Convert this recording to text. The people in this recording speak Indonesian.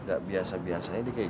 gak biasa biasanya dia kayak gini